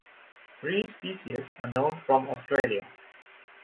Three species are known from Australia.